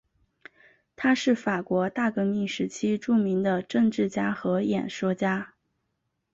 他是法国大革命时期著名的政治家和演说家。